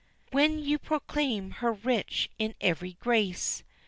When you proclaim her rich in every grace.